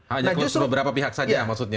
hanya beberapa pihak saja maksudnya